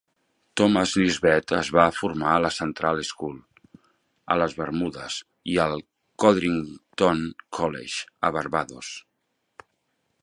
Thomas Nisbett es va formar a la Central School, a les Bermudes, i al Codrington College, a Barbados.